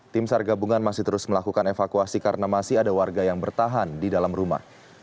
tim sar gabungan masih terus melakukan evakuasi karena masih ada warga yang bertahan di dalam rumah